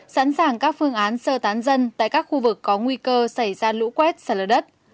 sẵn sàng các phương án sơ tán dân tại các khu vực có nguy cơ xảy ra lũ quét sạt lở đất